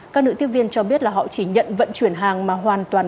các nữ tiếp viên cho biết là họ chỉ nhận vận chuyển hàng mà hoàn toàn